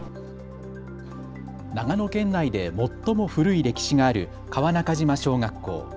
長野県内で最も古い歴史がある川中島小学校。